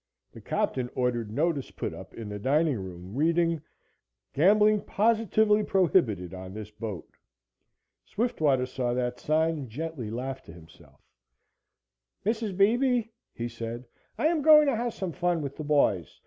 The captain ordered notice put up in the dining room, reading: "Gambling positively prohibited on this boat." Swiftwater saw that sign and gently laughed to himself. "Mrs. Beebe," he said, "I am going to have some fun with the boys.